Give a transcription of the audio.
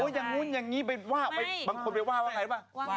โอ้ยอย่างนู้นอย่างนี้ไปว่าบางคนไปว่าว่าไงหรือเปล่า